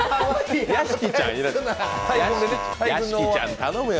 屋敷ちゃん、頼むよ。